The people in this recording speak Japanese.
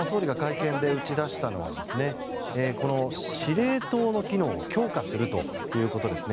総理が会見で打ち出したのは、司令塔の機能を強化するということです。